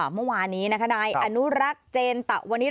เมื่อวานี้นายอนุรักษ์เจนตะวันิส